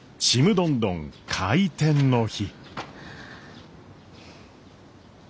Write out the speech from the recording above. どんどん開店の日。